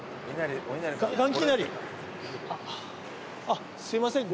あっすいません。